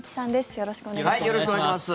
よろしくお願いします。